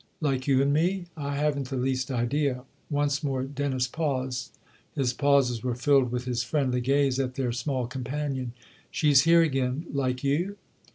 "" Like you and me ? I haven't the least idea." Once more Dennis paused ; his pauses were filled THE OTHER HOUSE 217 with his friendly gaze at their small companion. " She's here again like you